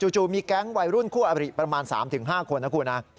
จู่มีแก๊งวัยรุ่นคู่อบริประมาณ๓๕คนนะคุณนะ